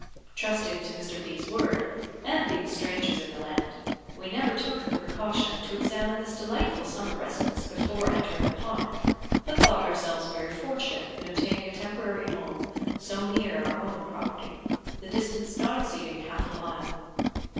Trusting to Mr. B 's word, and being strangers in the land, we never took the precaution to examine this delightful summer residence before entering upon it, but thought ourselves very fortunate in obtaining a temporary home so near our own property, the distance not exceeding half a mile.